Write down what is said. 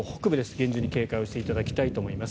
厳重に警戒していただきたいと思います。